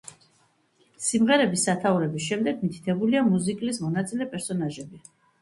სიმღერების სათაურების შემდეგ მითითებულია მიუზიკლის მონაწილე პერსონაჟები.